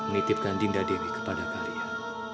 menitipkan dinda diri kepada kalian